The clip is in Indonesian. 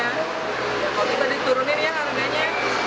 kalau tiba diturunin ya harganya